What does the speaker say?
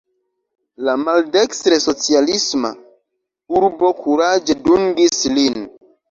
La maldekstre socialisma urbo kuraĝe dungis lin.